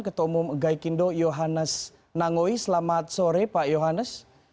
ketua umum gaikindo yohannes nangoi selamat sore pak yohannes